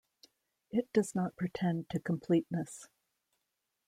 It does not pretend to completeness.